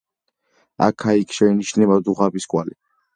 აქა-იქ შეინიშნება დუღაბის კვალი.